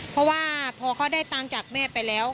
เพราะว่าพอเขาได้ตังค์จากแม่ไปแล้ว